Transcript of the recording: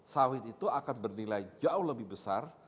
sawit itu akan bernilai jauh lebih besar